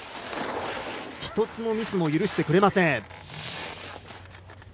１つのミスも許してくれません。